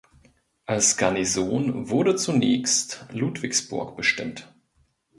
Als Garnison wurde zunächst Ludwigsburg bestimmt.